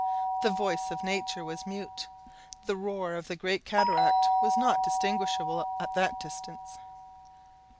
The voice of nature was mute. The roar of the great cataract was not distinguishable at that distance.